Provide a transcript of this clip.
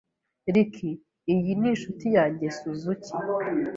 Ricky, iyi ni inshuti yanjye Suzuki.